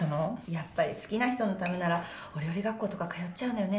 やっぱり好きな人のためならお料理学校とか通っちゃうのよね。